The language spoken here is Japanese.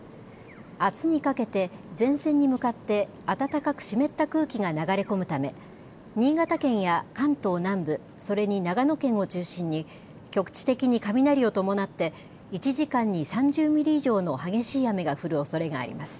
あすにかけて前線に向かって暖かく湿った空気が流れ込むため新潟県や関東南部、それに長野県を中心に局地的に雷を伴って１時間に３０ミリ以上の激しい雨が降るおそれがあります。